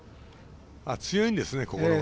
強いんですね、心が。